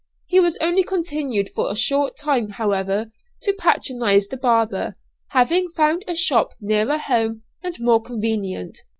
He only continued for a short time, however, to patronize the barber, having found a shop nearer home and more convenient.